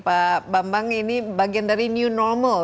pak bambang ini bagian dari new normal